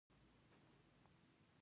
یعنې، ته اوس پرېشانه نه یې؟